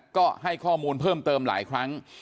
ก็ให้ข้อมูลเพิ่มเติมหลายครั้ง